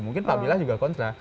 mungkin pak abilah juga kontra